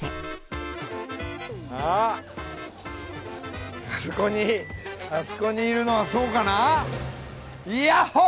あっあそこにあそこにいるのはそうかな？